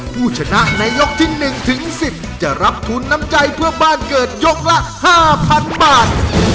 ผู้ชนะในยกที่๑ถึง๑๐จะรับทุนน้ำใจเพื่อบ้านเกิดยกละ๕๐๐๐บาท